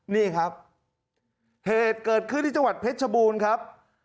นี่ครับเหตุเกิดขึ้นที่จังหวัดเพชรชบูรณ์ครับ